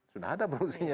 sudah ada berusaha